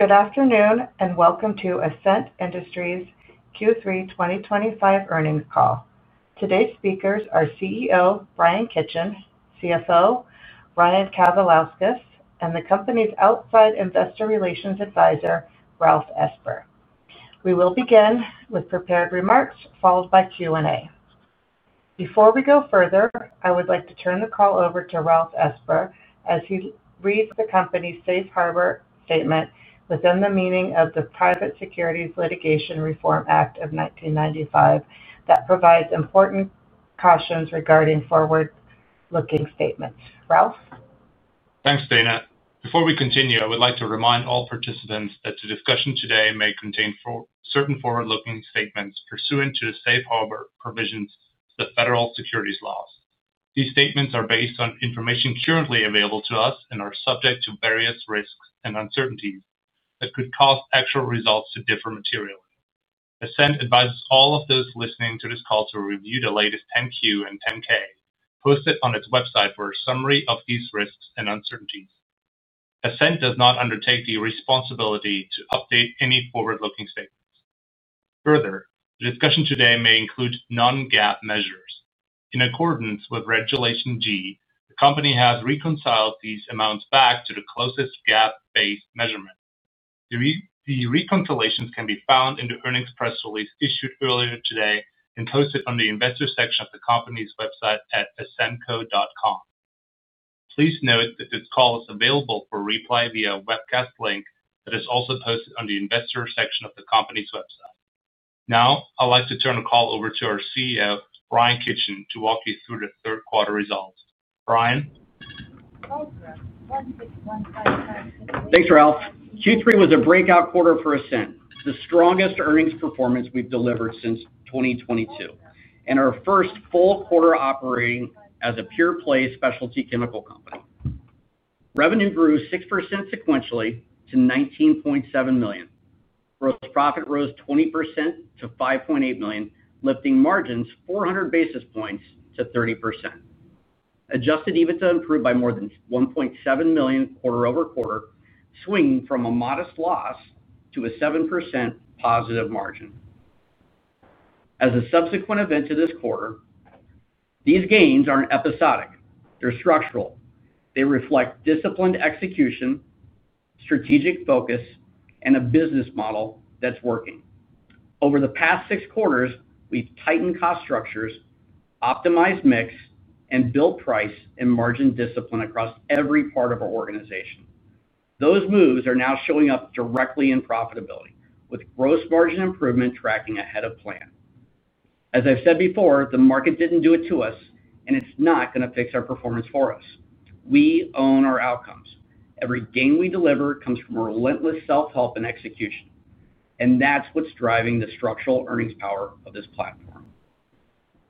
Good afternoon and welcome to Ascent Industries Q3 2025 earnings call. Today's speakers are CEO Bryan Kitchen, CFO Ryan Kavalauskas, and the company's outside investor relations advisor, Ralf Esper. We will begin with prepared remarks followed by Q&A. Before we go further, I would like to turn the call over to Ralf Esper as he reads the company's safe harbor statement within the meaning of the Private Securities Litigation Reform Act of 1995 that provides important cautions regarding forward-looking statements. Ralf. Thanks, Dana. Before we continue, I would like to remind all participants that the discussion today may contain certain forward-looking statements pursuant to the safe harbor provisions of the federal securities laws. These statements are based on information currently available to us and are subject to various risks and uncertainties that could cause actual results to differ materially. Ascent advises all of those listening to this call to review the latest 10Q and 10K posted on its website for a summary of these risks and uncertainties. Ascent does not undertake the responsibility to update any forward-looking statements. Further, the discussion today may include non-GAAP measures. In accordance with Regulation G, the company has reconciled these amounts back to the closest GAAP-based measurement. The reconciliations can be found in the earnings press release issued earlier today and posted on the investor section of the company's website at ascentco.com. Please note that this call is available for replay via a webcast link that is also posted on the investor section of the company's website. Now, I'd like to turn the call over to our CEO, Bryan Kitchen, to walk you through the third-quarter results. Bryan. Thanks, Ralf. Q3 was a breakout quarter for Ascent, the strongest earnings performance we've delivered since 2022 and our first full quarter operating as a pure-play specialty chemical company. Revenue grew 6% sequentially to $19.7 million. Gross profit rose 20% to $5.8 million, lifting margins 400 basis points to 30%. Adjusted EBITDA improved by more than $1.7 million quarter over quarter, swinging from a modest loss to a 7% positive margin. As a subsequent event to this quarter. These gains aren't episodic. They're structural. They reflect disciplined execution. Strategic focus, and a business model that's working. Over the past six quarters, we've tightened cost structures, optimized mix, and built price and margin discipline across every part of our organization. Those moves are now showing up directly in profitability, with gross margin improvement tracking ahead of plan. As I've said before, the market didn't do it to us, and it's not going to fix our performance for us. We own our outcomes. Every gain we deliver comes from relentless self-help and execution, and that's what's driving the structural earnings power of this platform.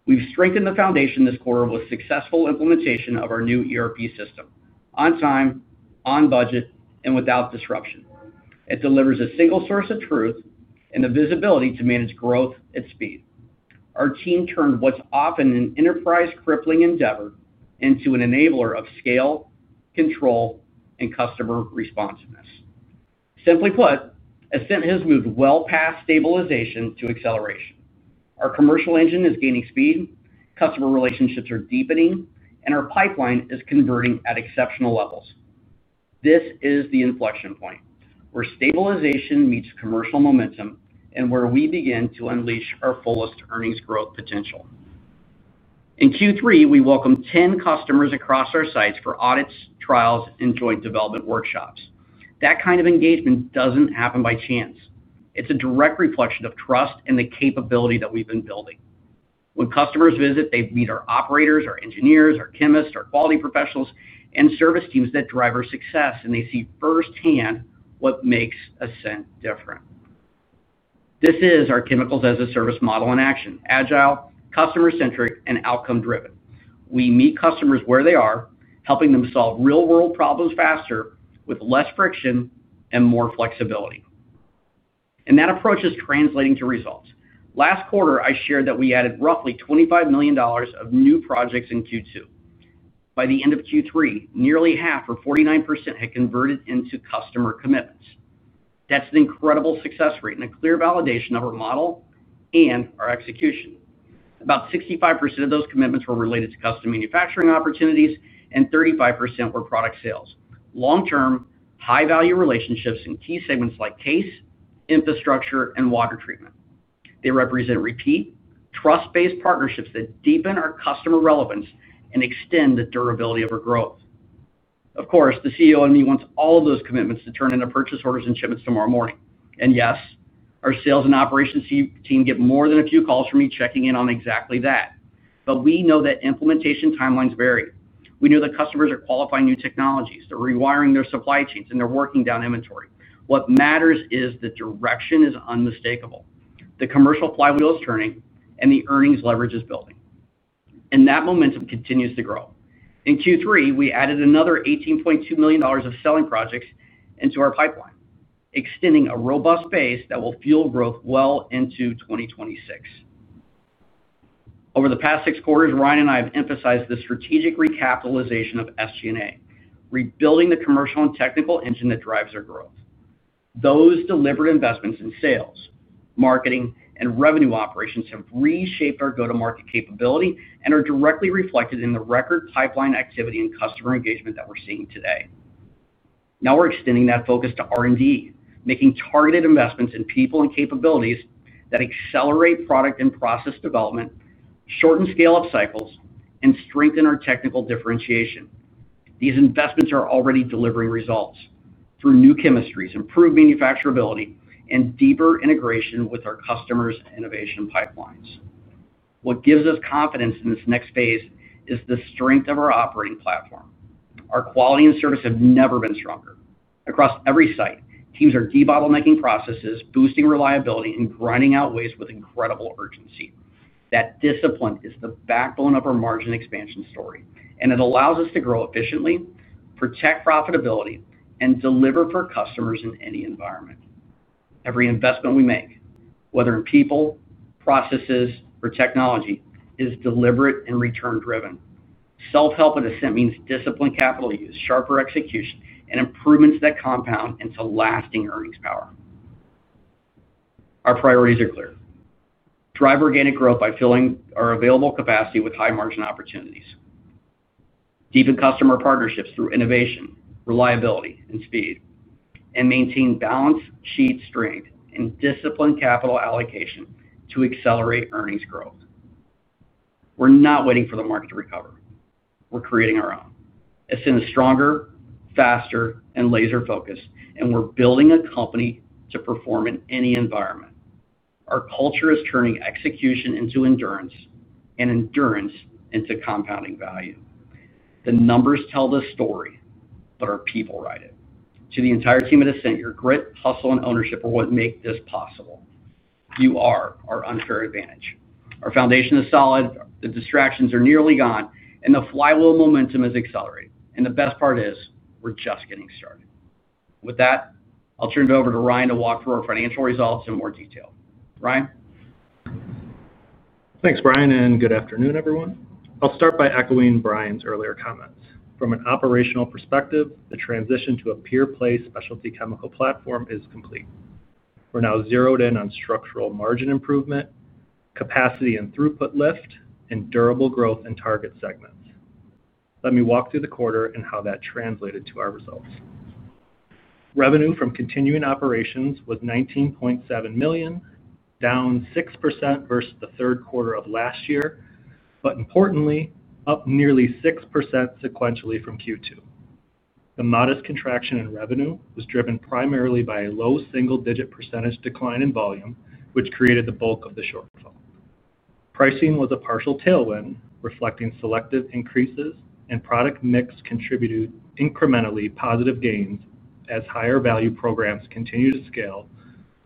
We've strengthened the foundation this quarter with successful implementation of our new ERP system on time, on budget, and without disruption. It delivers a single source of truth and the visibility to manage growth at speed. Our team turned what's often an enterprise crippling endeavor into an enabler of scale, control, and customer responsiveness. Simply put, Ascent has moved well past stabilization to acceleration. Our commercial engine is gaining speed, customer relationships are deepening, and our pipeline is converting at exceptional levels. This is the inflection point where stabilization meets commercial momentum and where we begin to unleash our fullest earnings growth potential. In Q3, we welcomed 10 customers across our sites for audits, trials, and joint development workshops. That kind of engagement doesn't happen by chance. It's a direct reflection of trust and the capability that we've been building. When customers visit, they meet our operators, our engineers, our chemists, our quality professionals, and service teams that drive our success, and they see firsthand what makes Ascent different. This is our chemicals-as-a-service model in action: agile, customer-centric, and outcome-driven. We meet customers where they are, helping them solve real-world problems faster with less friction and more flexibility. And that approach is translating to results. Last quarter, I shared that we added roughly $25 million of new projects in Q2. By the end of Q3, nearly half, or 49%, had converted into customer commitments. That's an incredible success rate and a clear validation of our model and our execution. About 65% of those commitments were related to custom manufacturing opportunities, and 35% were product sales. Long-term, high-value relationships in key segments like CASE, infrastructure, and water treatment. They represent repeat, trust-based partnerships that deepen our customer relevance and extend the durability of our growth. Of course, the CEO and me want all of those commitments to turn into purchase orders and shipments tomorrow morning. And yes, our sales and operations team get more than a few calls from me checking in on exactly that. But we know that implementation timelines vary. We know that customers are qualifying new technologies, they're rewiring their supply chains, and they're working down inventory. What matters is the direction is unmistakable. The commercial flywheel is turning, and the earnings leverage is building. And that momentum continues to grow. In Q3, we added another $18.2 million of selling projects into our pipeline, extending a robust base that will fuel growth well into 2026. Over the past six quarters, Ryan and I have emphasized the strategic recapitalization of SG&A, rebuilding the commercial and technical engine that drives our growth. Those delivered investments in sales, marketing, and revenue operations have reshaped our go-to-market capability and are directly reflected in the record pipeline activity and customer engagement that we're seeing today. Now we're extending that focus to R&D, making targeted investments in people and capabilities that accelerate product and process development, shorten scale-up cycles, and strengthen our technical differentiation. These investments are already delivering results through new chemistries, improved manufacturability, and deeper integration with our customers' innovation pipelines. What gives us confidence in this next phase is the strength of our operating platform. Our quality and service have never been stronger. Across every site, teams are debottlenecking processes, boosting reliability, and grinding out ways with incredible urgency. That discipline is the backbone of our margin expansion story, and it allows us to grow efficiently, protect profitability, and deliver for customers in any environment. Every investment we make, whether in people, processes, or technology, is deliberate and return-driven. Self-help at Ascent means disciplined capital use, sharper execution, and improvements that compound into lasting earnings power. Our priorities are clear. Drive organic growth by filling our available capacity with high-margin opportunities. Deepen customer partnerships through innovation, reliability, and speed, and maintain balance sheet strength and disciplined capital allocation to accelerate earnings growth. We're not waiting for the market to recover. We're creating our own. Ascent is stronger, faster, and laser-focused, and we're building a company to perform in any environment. Our culture is turning execution into endurance and endurance into compounding value. The numbers tell the story, but our people write it. To the entire team at Ascent, your grit, hustle, and ownership are what make this possible. You are our unfair advantage. Our foundation is solid, the distractions are nearly gone, and the flywheel momentum is accelerating. And the best part is we're just getting started. With that, I'll turn it over to Ryan to walk through our financial results in more detail. Ryan? Thanks, Bryan, and good afternoon, everyone. I'll start by echoing Bryan's earlier comments. From an operational perspective, the transition to a pure-play specialty chemical platform is complete. We're now zeroed in on structural margin improvement, capacity and throughput lift, and durable growth in target segments. Let me walk through the quarter and how that translated to our results. Revenue from continuing operations was $19.7 million, down 6% versus the third quarter of last year, but importantly, up nearly 6% sequentially from Q2. The modest contraction in revenue was driven primarily by a low single-digit percentage decline in volume, which created the bulk of the shortfall. Pricing was a partial tailwind, reflecting selective increases, and product mix contributed incrementally positive gains as higher value programs continued to scale,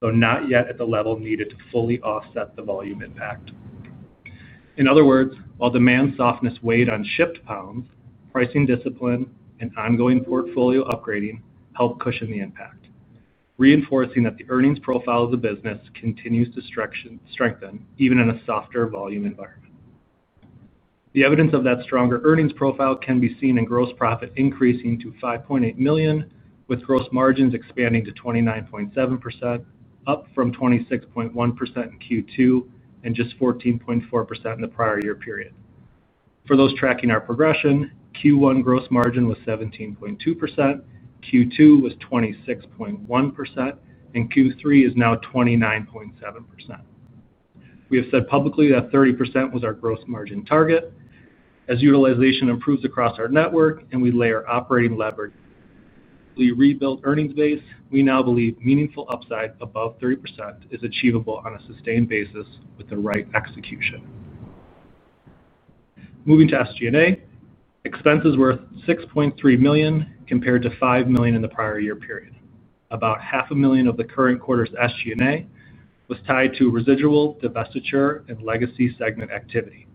though not yet at the level needed to fully offset the volume impact. In other words, while demand softness weighed on shipped pounds, pricing discipline and ongoing portfolio upgrading helped cushion the impact, reinforcing that the earnings profile of the business continues to strengthen even in a softer volume environment. The evidence of that stronger earnings profile can be seen in gross profit increasing to $5.8 million, with gross margins expanding to 29.7%, up from 26.1% in Q2 and just 14.4% in the prior year period. For those tracking our progression, Q1 gross margin was 17.2%, Q2 was 26.1%, and Q3 is now 29.7%. We have said publicly that 30% was our gross margin target. As utilization improves across our network and we layer operating leverage, we rebuilt earnings base. We now believe meaningful upside above 30% is achievable on a sustained basis with the right execution. Moving to SG&A, expenses were $6.3 million compared to $5 million in the prior year period. About $500,000 of the current quarter's SG&A was tied to residual, divestiture, and legacy segment activity,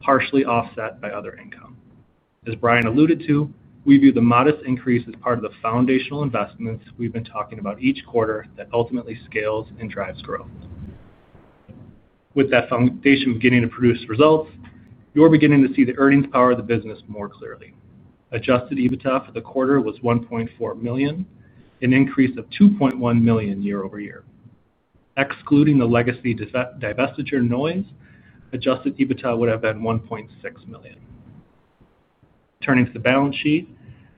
partially offset by other income. As Bryan alluded to, we view the modest increase as part of the foundational investments we've been talking about each quarter that ultimately scales and drives growth. With that foundation beginning to produce results, you're beginning to see the earnings power of the business more clearly. Adjusted EBITDA for the quarter was $1.4 million, an increase of $2.1 million year-over-year. Excluding the legacy divestiture noise, adjusted EBITDA would have been $1.6 million. Turning to the balance sheet,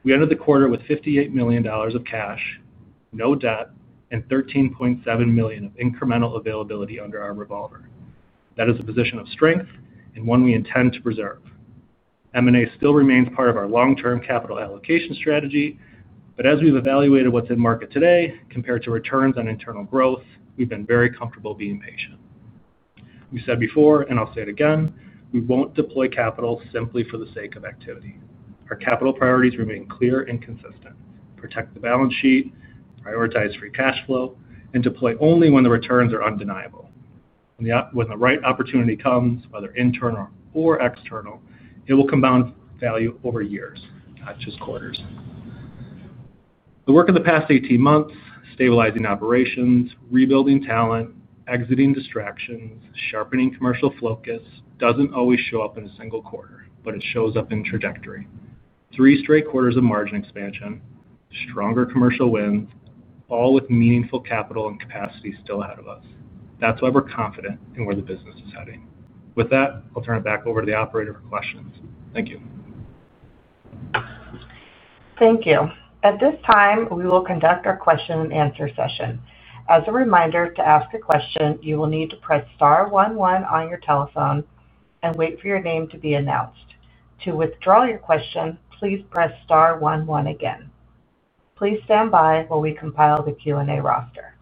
we ended the quarter with $58 million of cash, no debt, and $13.7 million of incremental availability under our revolver. That is a position of strength and one we intend to preserve. M&A still remains part of our long-term capital allocation strategy, but as we've evaluated what's in market today compared to returns on internal growth, we've been very comfortable being patient. We said before, and I'll say it again, we won't deploy capital simply for the sake of activity. Our capital priorities remain clear and consistent: protect the balance sheet, prioritize free cash flow, and deploy only when the returns are undeniable. When the right opportunity comes, whether internal or external, it will compound value over years, not just quarters. The work of the past 18 months, stabilizing operations, rebuilding talent, exiting distractions, sharpening commercial focus doesn't always show up in a single quarter, but it shows up in trajectory. Three straight quarters of margin expansion, stronger commercial wins, all with meaningful capital and capacity still ahead of us. That's why we're confident in where the business is heading. With that, I'll turn it back over to the Operator for questions. Thank you. Thank you. At this time, we will conduct our question-and-answer session. As a reminder to ask a question, you will need to press star one one on your telephone and wait for your name to be announced. To withdraw your question, please press star one one again. Please stand by while we compile the Q&A roster.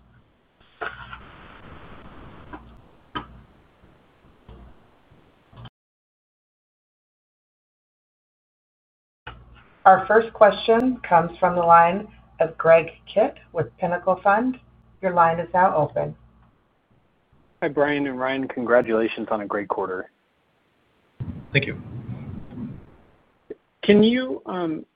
Our first question comes from the line of Greg Kitt with Pinnacle Fund. Your line is now open. Hi, Bryan and Ryan. Congratulations on a great quarter. Thank you. Can you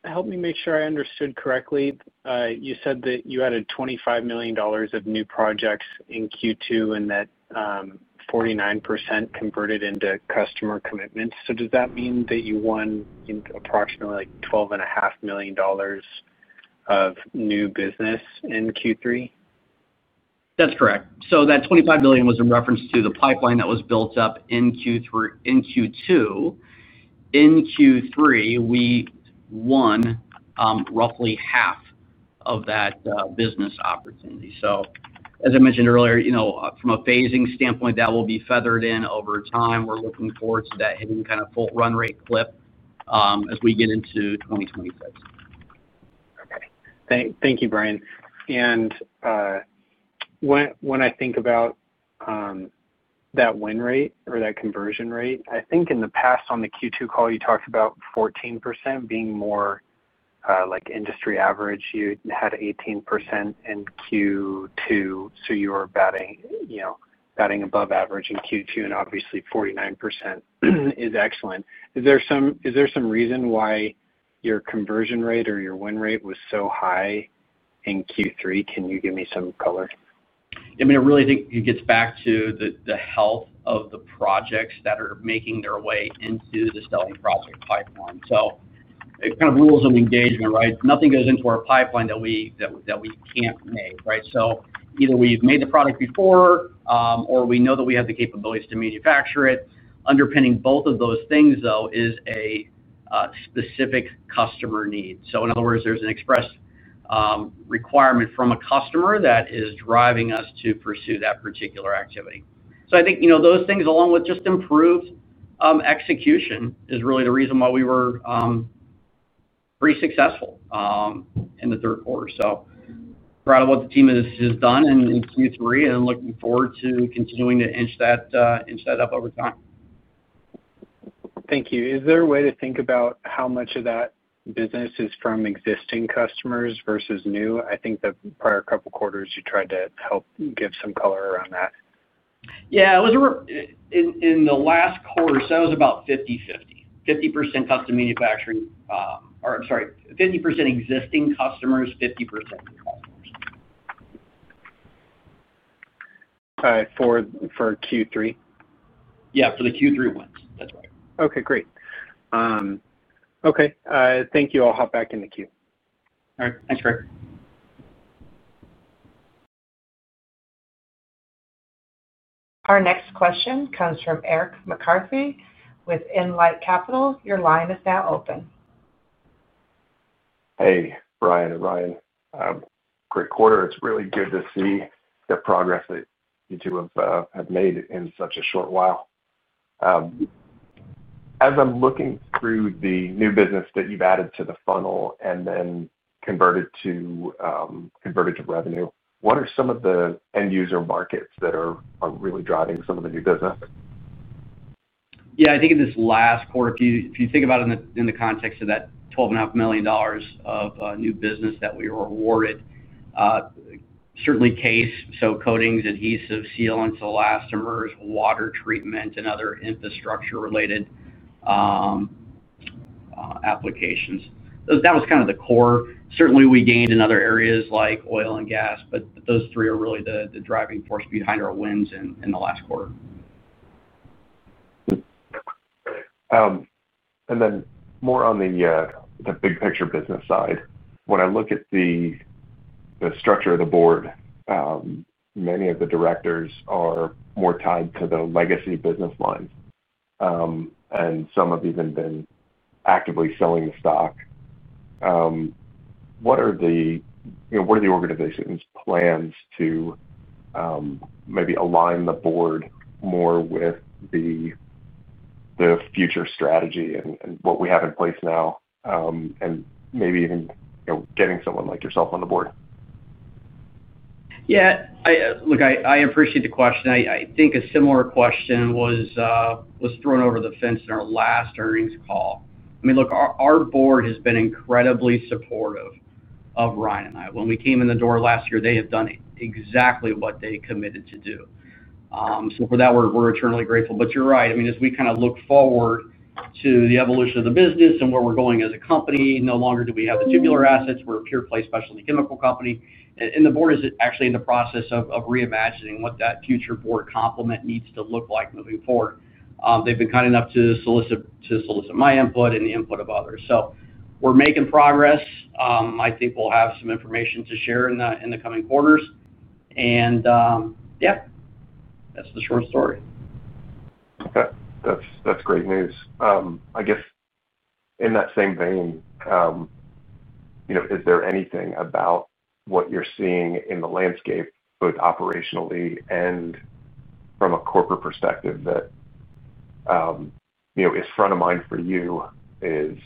help me make sure I understood correctly? You said that you added $25 million of new projects in Q2 and that 49% converted into customer commitments. So does that mean that you won approximately $12.5 million of new business in Q3? That's correct. So that $25 million was in reference to the pipeline that was built up in Q2. In Q3, we won roughly half of that business opportunity. So as I mentioned earlier, from a phasing standpoint, that will be feathered in over time. We're looking forward to that hitting kind of full run rate clip as we get into 2026. Okay. Thank you, Bryan. And when I think about that win rate or that conversion rate, I think in the past on the Q2 call, you talked about 14% being more like industry average. You had 18% in Q2, so you were batting above average in Q2, and obviously, 49% is excellent. Is there some reason why your conversion rate or your win rate was so high in Q3? Can you give me some color? I mean, I really think it gets back to the health of the projects that are making their way into the selling project pipeline. So it kind of rules of engagement, right? Nothing goes into our pipeline that we can't make, right? So either we've made the product before or we know that we have the capabilities to manufacture it. Underpinning both of those things, though, is a specific customer need. So in other words, there's an expressed requirement from a customer that is driving us to pursue that particular activity. So I think those things, along with just improved execution, is really the reason why we were pretty successful in the third quarter. So proud of what the team has done in Q3 and looking forward to continuing to inch that up over time. Thank you. Is there a way to think about how much of that business is from existing customers versus new? I think the prior couple of quarters, you tried to help give some color around that. Yeah. In the last quarter, so that was about 50/50. 50% custom manufacturing or, I'm sorry, 50% existing customers, 50% new customers. Sorry, for Q3? Yeah, for the Q3 ones. That's right. Okay, great. Okay. Thank you. I'll hop back in the queue. All right. Thanks, Greg. Our next question comes from Eric McCarthy with InLight Capital. Your line is now open. Hey, Bryan and Ryan. Great quarter. It's really good to see the progress that you two have made in such a short while. As I'm looking through the new business that you've added to the funnel and then converted to revenue, what are some of the end-user markets that are really driving some of the new business? Yeah, I think in this last quarter, if you think about it in the context of that $12.5 million of new business that we were awarded. Certainly CASE, so coatings, adhesives, sealants, elastomers, water treatment, and other infrastructure-related applications. That was kind of the core. Certainly, we gained in other areas like oil and gas, but those three are really the driving force behind our wins in the last quarter. And then more on the big-picture business side. When I look at the structure of the board. Many of the directors are more tied to the legacy business lines. And some have even been actively selling the stock. What are the organization's plans to maybe align the board more with the future strategy and what we have in place now. And maybe even getting someone like yourself on the board? Yeah. Look, I appreciate the question. I think a similar question was thrown over the fence in our last earnings call. I mean, look, our board has been incredibly supportive of Ryan and I. When we came in the door last year, they had done exactly what they committed to do. So for that, we're eternally grateful. But you're right. I mean, as we kind of look forward to the evolution of the business and where we're going as a company, no longer do we have the tubular assets. We're a pure-play specialty chemical company. And the board is actually in the process of reimagining what that future board complement needs to look like moving forward. They've been kind enough to solicit my input and the input of others. So we're making progress. I think we'll have some information to share in the coming quarters. And yeah, that's the short story. Okay. That's great news, I guess. In that same vein, is there anything about what you're seeing in the landscape, both operationally and from a corporate perspective, that is front of mind for you, is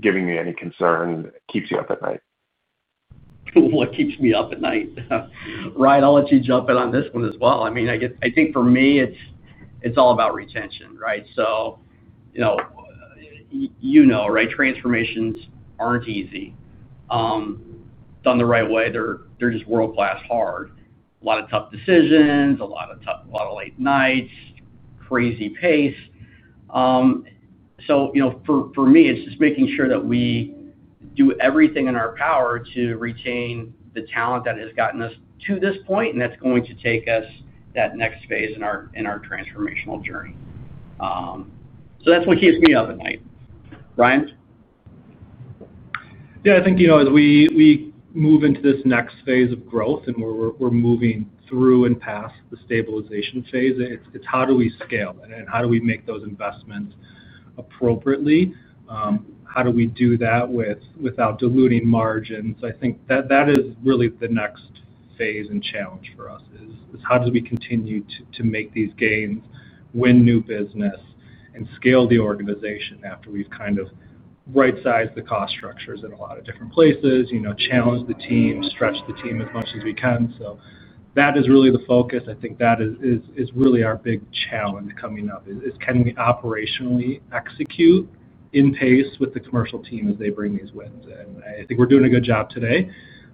giving you any concern, keeps you up at night? What keeps me up at night? Ryan, I'll let you jump in on this one as well. I mean, I think for me, it's all about retention, right? So. You know, right, transformations aren't easy. Done the right way, they're just world-class hard. A lot of tough decisions, a lot of late nights, crazy pace. So for me, it's just making sure that we do everything in our power to retain the talent that has gotten us to this point, and that's going to take us that next phase in our transformational journey. So that's what keeps me up at night. Ryan? Yeah, I think as we move into this next phase of growth and where we're moving through and past the stabilization phase, it's how do we scale and how do we make those investments appropriately? How do we do that without diluting margins? I think that is really the next phase and challenge for us is how do we continue to make these gains, win new business. And scale the organization after we've kind of right-sized the cost structures in a lot of different places, challenge the team, stretch the team as much as we can. So that is really the focus. I think that is really our big challenge coming up is can we operationally execute in pace with the commercial team as they bring these wins in? I think we're doing a good job today.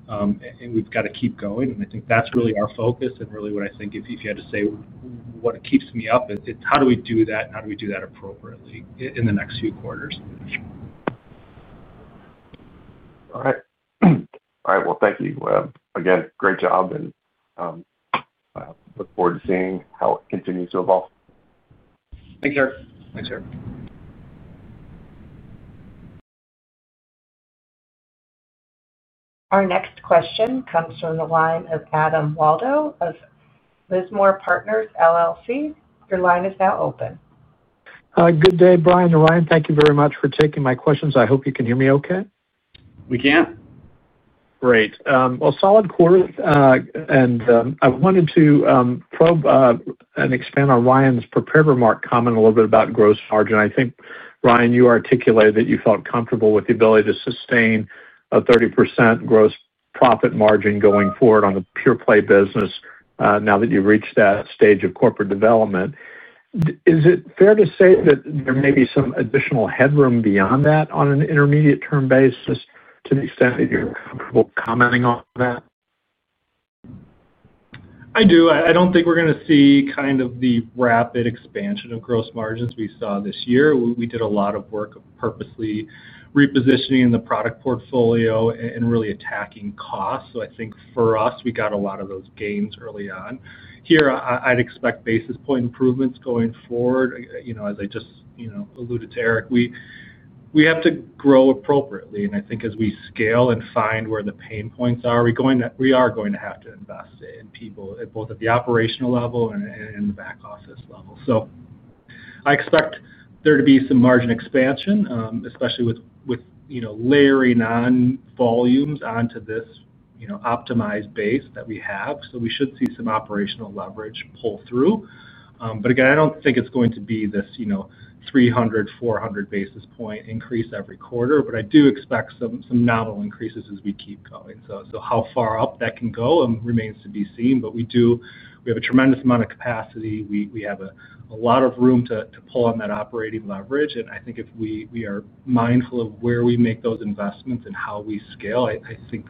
And we've got to keep going. And I think that's really our focus and really what I think if you had to say what keeps me up, it's how do we do that and how do we do that appropriately in the next few quarters? All right. Well, thank you again. Great job. Look forward to seeing how it continues to evolve. Thanks, Eric. Thanks, Eric. Our next question comes from the line of Adam Waldo of Lismore Partners, LLC. Your line is now open. Good day, Bryan and Ryan. Thank you very much for taking my questions. I hope you can hear me okay. We can. Great. Well, solid quarter, and I wanted to probe and expand on Ryan's prepared remark comment a little bit about gross margin. I think, Ryan, you articulated that you felt comfortable with the ability to sustain a 30% gross profit margin going forward on the pure-play business now that you've reached that stage of corporate development. Is it fair to say that there may be some additional headroom beyond that on an intermediate-term basis to the extent that you're comfortable commenting on that? I do. I don't think we're going to see kind of the rapid expansion of gross margins we saw this year. We did a lot of work of purposely repositioning the product portfolio and really attacking costs. So I think for us, we got a lot of those gains early on. Here, I'd expect basis point improvements going forward. As I just alluded to, Eric, we have to grow appropriately. And I think as we scale and find where the pain points are, we are going to have to invest in people at both the operational level and the back office level. So I expect there to be some margin expansion, especially with layering on volumes onto this optimized base that we have. So we should see some operational leverage pull through. But again, I don't think it's going to be this 300-400 basis point increase every quarter, but I do expect some novel increases as we keep going. So how far up that can go remains to be seen. But we have a tremendous amount of capacity. We have a lot of room to pull on that operating leverage. And I think if we are mindful of where we make those investments and how we scale, I think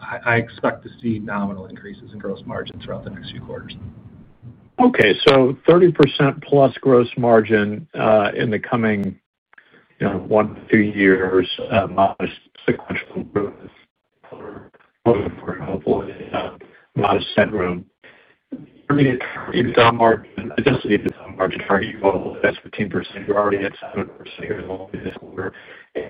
I expect to see nominal increases in gross margin throughout the next few quarters. Okay. So 30% plus gross margin in the coming one to two years. Modest sequential growth. Hopefully, modest headroom. I mean, if the margin target your goal is 15%, you're already at 7% year-over-year this quarter.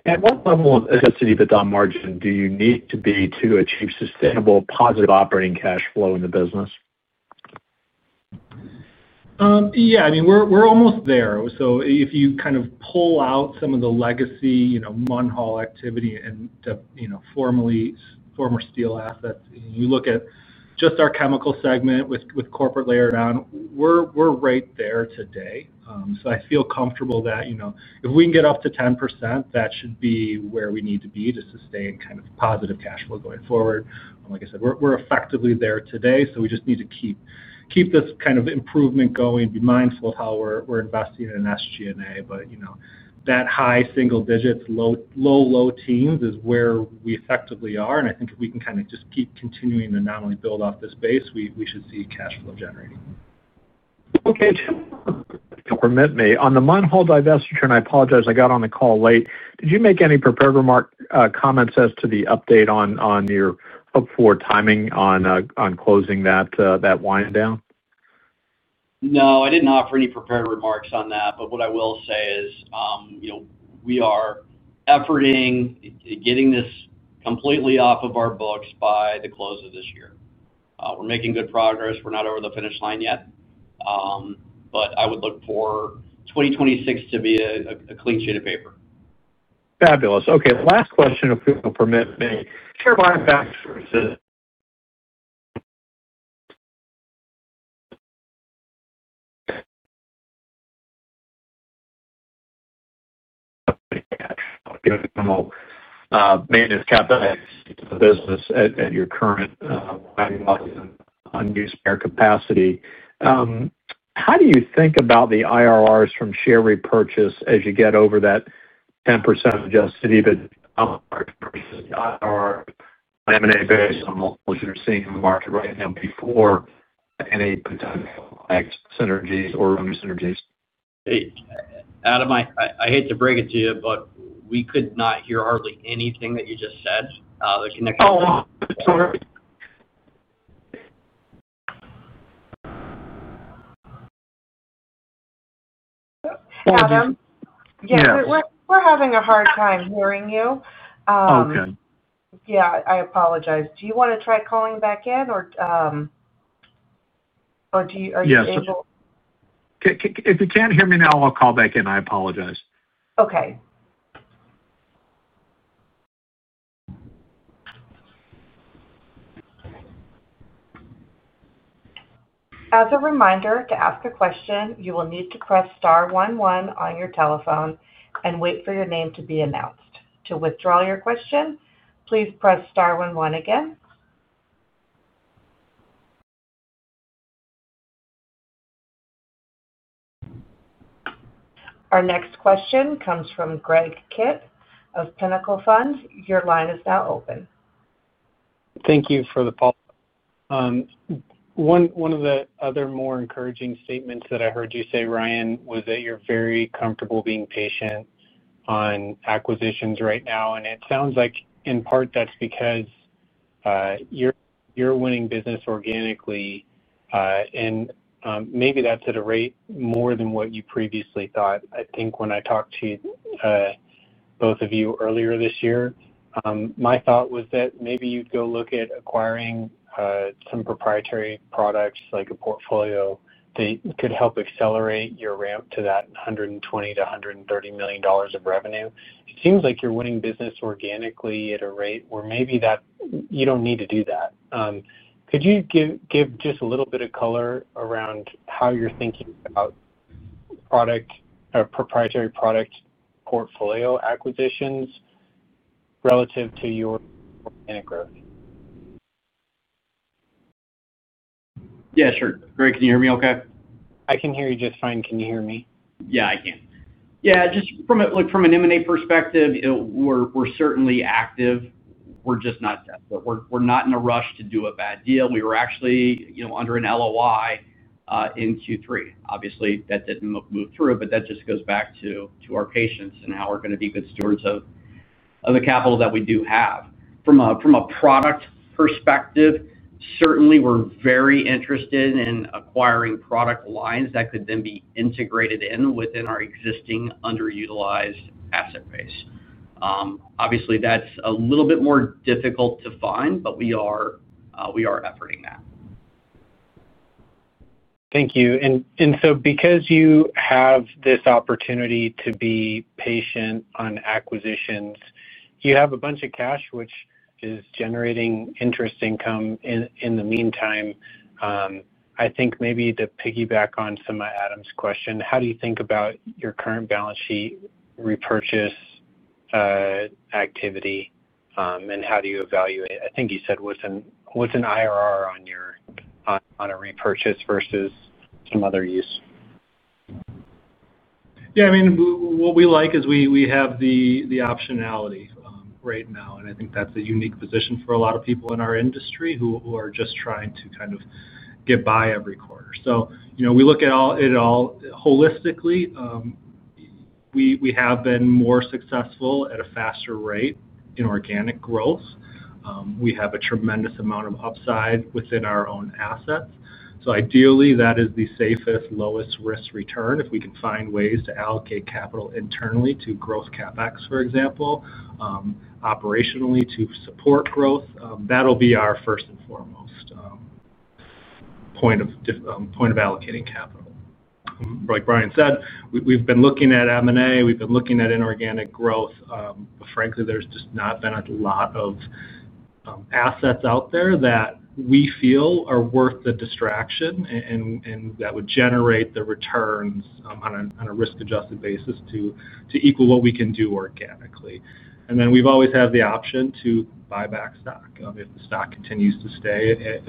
At what level of Adjusted EBITDA margin do you need to be to achieve sustainable positive operating cash flow in the business? Yeah. I mean, we're almost there. So if you kind of pull out some of the legacy money haul activity and former steel assets, you look at just our chemical segment with corporate layer down, we're right there today. So I feel comfortable that if we can get up to 10%, that should be where we need to be to sustain kind of positive cash flow going forward. Like I said, we're effectively there today. So we just need to keep this kind of improvement going, be mindful of how we're investing in SG&A. But that high single digits, low, low teens is where we effectively are. And I think if we can kind of just keep continuing to not only build off this base, we should see cash flow generating. Okay. Let me, on the Munhall divestiture, and I apologize, I got on the call late. Did you make any prepared remark comments as to the update on your hopeful timing on closing that wind down? No, I didn't offer any prepared remarks on that. But what I will say is, we are efforting getting this completely off of our books by the close of this year. We're making good progress. We're not over the finish line yet. But I would look for 2026 to be a clean sheet of paper. Fabulous. Okay. Last question, if you'll permit me. Caroline Baxter says. The business at your current unused capacity. How do you think about the IRRs from share repurchase as you get over that 10% Adjusted EBITDA margin versus the IRR calculated based on the models you're seeing in the market right now before any potential synergies? Hey, Adam, I hate to break it to you, but we could not hear hardly anything that you just said. The connection. Oh, sorry. Adam? Yeah. Yeah. We're having a hard time hearing you. Oh, okay. Yeah. I apologize. Do you want to try calling back in, or are you able? Yeah. If you can't hear me now, I'll call back in. I apologize. Okay. As a reminder, to ask a question, you will need to press star one one on your telephone and wait for your name to be announced. To withdraw your question, please press star one one again. Our next question comes from Greg Kitt of Pinnacle Fund. Your line is now open. Thank you for the follow-up. One of the other more encouraging statements that I heard you say, Ryan, was that you're very comfortable being patient on acquisitions right now. And it sounds like, in part, that's because you're winning business organically. And maybe that's at a rate more than what you previously thought. I think when I talked to both of you earlier this year, my thought was that maybe you'd go look at acquiring some proprietary products like a portfolio that could help accelerate your ramp to that $120 million-$130 million of revenue. It seems like you're winning business organically at a rate where maybe you don't need to do that. Could you give just a little bit of color around how you're thinking about proprietary product portfolio acquisitions relative to your organic growth? Yeah, sure. Greg, can you hear me okay? I can hear you just fine. Can you hear me? Yeah, I can. Yeah. From an M&A perspective, we're certainly active. We're just not dead. We're not in a rush to do a bad deal. We were actually under an LOI in Q3. Obviously, that didn't move through, but that just goes back to our patience and how we're going to be good stewards of the capital that we do have. From a product perspective, certainly, we're very interested in acquiring product lines that could then be integrated within our existing underutilized asset base. Obviously, that's a little bit more difficult to find, but we are. Efforting that. Thank you. And so because you have this opportunity to be patient on acquisitions, you have a bunch of cash, which is generating interest income in the meantime. I think maybe to piggyback on some of Adam's question, how do you think about your current balance sheet repurchase. Activity, and how do you evaluate? I think you said what's an IRR on. A repurchase versus some other use? Yeah. I mean, what we like is we have the optionality right now. And I think that's a unique position for a lot of people in our industry who are just trying to kind of get by every quarter. So we look at it all holistically. We have been more successful at a faster rate in organic growth. We have a tremendous amount of upside within our own assets. So ideally, that is the safest, lowest risk return if we can find ways to allocate capital internally to growth CapEx, for example. Operationally, to support growth. That'll be our first and foremost. Point of allocating capital. Like Bryan said, we've been looking at M&A. We've been looking at inorganic growth. But frankly, there's just not been a lot of. Assets out there that we feel are worth the distraction and that would generate the returns on a risk-adjusted basis to equal what we can do organically. And then we've always had the option to buy back stock. If the stock continues to stay.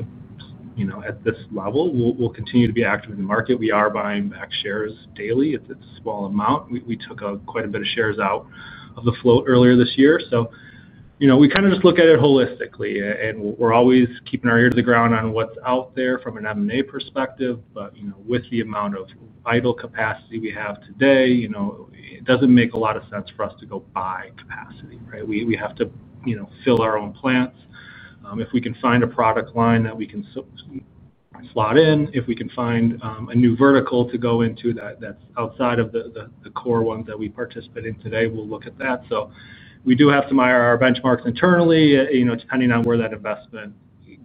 At this level, we'll continue to be active in the market. We are buying back shares daily at a small amount. We took quite a bit of shares out of the float earlier this year. So. We kind of just look at it holistically. And we're always keeping our ear to the ground on what's out there from an M&A perspective. But with the amount of idle capacity we have today. It doesn't make a lot of sense for us to go buy capacity, right? We have to fill our own plants. If we can find a product line that we can. Slot in, if we can find a new vertical to go into that's outside of the core ones that we participate in today, we'll look at that. So we do have some IRR benchmarks internally, depending on where that investment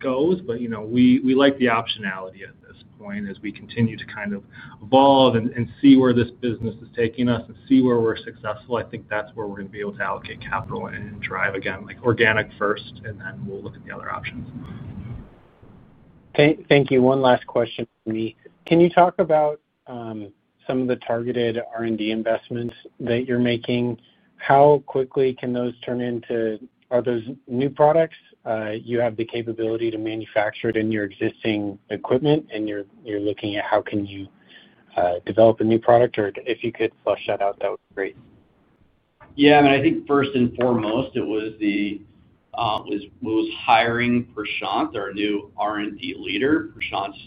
goes. But we like the optionality at this point as we continue to kind of evolve and see where this business is taking us and see where we're successful. I think that's where we're going to be able to allocate capital and drive, again, organic first, and then we'll look at the other options. Thank you. One last question for me. Can you talk about. Some of the targeted R&D investments that you're making? How quickly can those turn into. Are those new products? You have the capability to manufacture it in your existing equipment, and you're looking at how can you. Develop a new product? Or if you could flesh that out, that would be great. Yeah. I mean, I think first and foremost, it was the. Was hiring Prashant, our new R&D leader. Prashant's.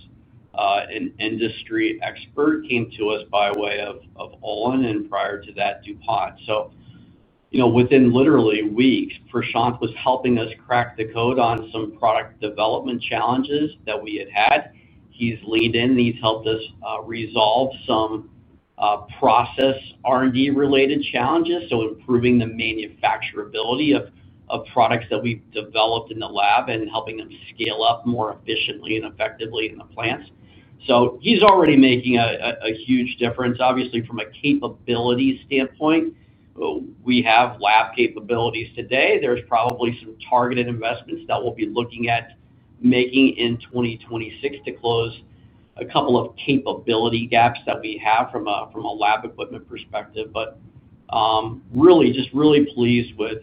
Industry expert came to us by way of Olin and prior to that, DuPont. So. Within literally weeks, Prashant was helping us crack the code on some product development challenges that we had had. He's leaned in, and he's helped us resolve some. Process R&D-related challenges. So improving the manufacturability of products that we've developed in the lab and helping them scale up more efficiently and effectively in the plants. So he's already making a huge difference. Obviously, from a capability standpoint. We have lab capabilities today. There's probably some targeted investments that we'll be looking at making in 2026 to close a couple of capability gaps that we have from a lab equipment perspective. But. Really just really pleased with.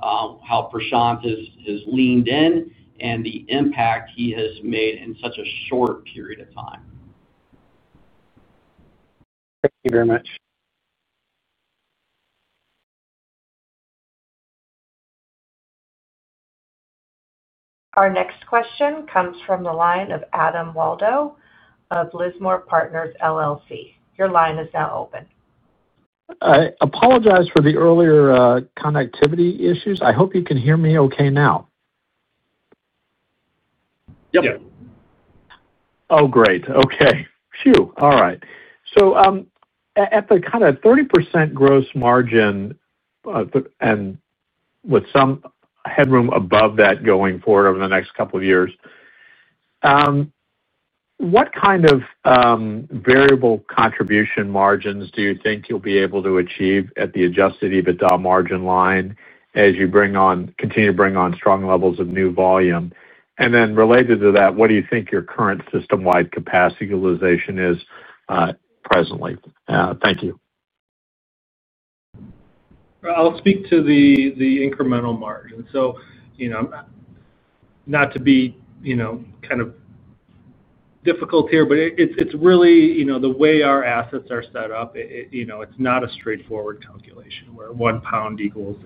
How Prashant has leaned in and the impact he has made in such a short period of time. Thank you very much. Our next question comes from the line of Adam Waldo of Lismore Partners, LLC. Your line is now open. I apologize for the earlier connectivity issues. I hope you can hear me okay now. Yep. Oh, great. Okay. Phew. All right. So. At the kind of 30% gross margin. And with some headroom above that going forward over the next couple of years. What kind of. Variable contribution margins do you think you'll be able to achieve at the Adjusted EBITDA margin line as you continue to bring on strong levels of new volume? And then related to that, what do you think your current system-wide capacity utilization is. Presently? Thank you. I'll speak to the incremental margin. So. Not to be kind of. Difficult here, but it's really the way our assets are set up. It's not a straightforward calculation where 1 pound equals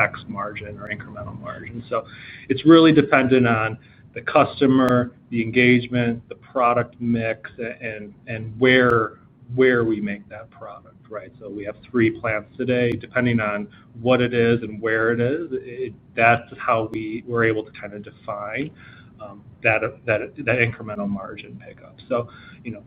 X margin or incremental margin. So it's really dependent on the customer, the engagement, the product mix, and where. We make that product, right? So we have three plants today. Depending on what it is and where it is, that's how we're able to kind of define. That. Incremental margin pickup. So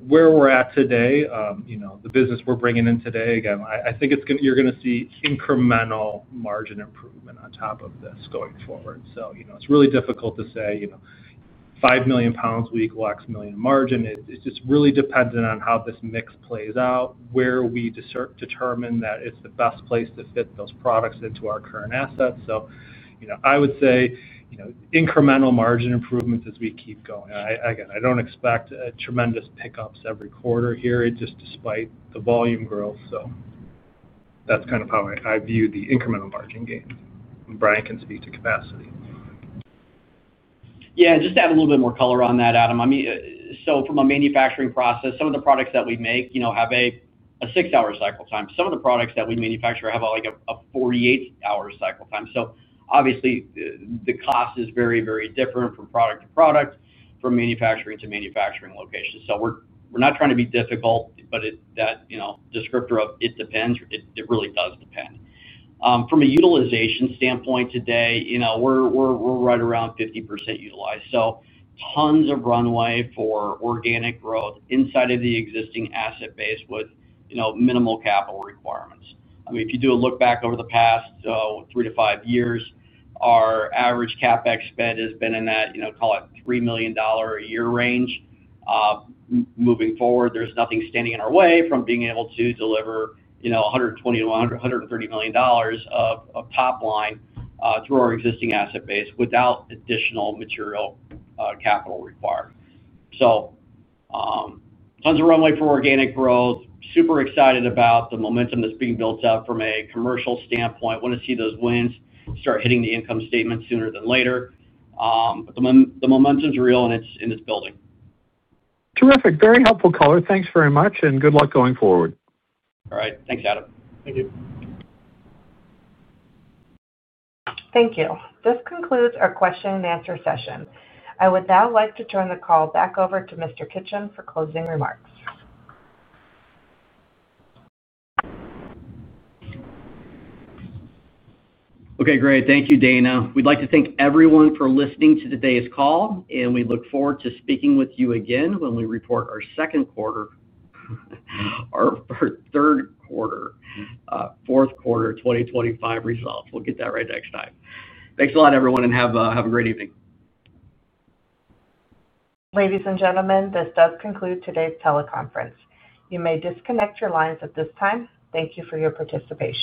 where we're at today, the business we're bringing in today, again, I think you're going to see incremental margin improvement on top of this going forward. So it's really difficult to say. "5 million pounds week, lux million margin." It's just really dependent on how this mix plays out, where we determine that it's the best place to fit those products into our current assets. So I would say. Incremental margin improvements as we keep going. Again, I don't expect tremendous pickups every quarter here, just despite the volume growth. So. That's kind of how I view the incremental margin gains. And Bryan can speak to capacity. Yeah. Just to add a little bit more color on that, Adam. I mean, so from a manufacturing process, some of the products that we make have a six-hour cycle time. Some of the products that we manufacture have a 48-hour cycle time. So obviously, the cost is very, very different from product to product, from manufacturing to manufacturing location. So we're not trying to be difficult, but that. Descriptor of it depends. It really does depend. From a utilization standpoint today, we're right around 50% utilized. So tons of runway for organic growth inside of the existing asset base with minimal capital requirements. I mean, if you do a look back over the past three to five years, our average CapEx spend has been in that, call it, $3 million a year range. Moving forward, there's nothing standing in our way from being able to deliver $120 million-$130 million of top line through our existing asset base without additional material. Capital required. So. Tons of runway for organic growth. Super excited about the momentum that's being built up from a commercial standpoint. Want to see those wins start hitting the income statement sooner than later. But the momentum's real, and it's building. Terrific. Very helpful, Color. Thanks very much, and good luck going forward. All right. Thanks, Adam. Thank you. Thank you. This concludes our question-and-answer session. I would now like to turn the call back over to Mr. Kitchen for closing remarks. Okay. Great. Thank you, Dana. We'd like to thank everyone for listening to today's call, and we look forward to speaking with you again when we report our second quarter. Our third quarter, fourth quarter 2025 results. We'll get that right next time. Thanks a lot, everyone, and have a great evening. Ladies and gentlemen, this does conclude today's teleconference. You may disconnect your lines at this time. Thank you for your participation.